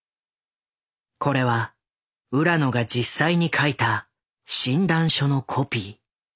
これは浦野が実際に書いた診断書のコピー。